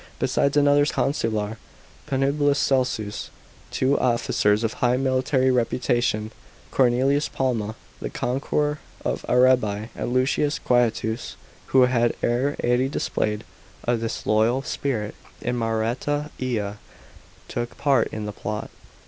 Besides another consular, Pnblilius Celsus, two officers of high miliiary reputation, Cornelius Palma, the conqueror of Arabi i,and Lusius Quietus, who had air ady displayed a disloyal spirit in Maureta ia, took part in the plot.